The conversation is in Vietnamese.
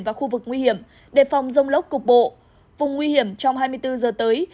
và khu vực nguy hiểm đề phòng rông lốc cục bộ vùng nguy hiểm trong hai mươi bốn giờ tới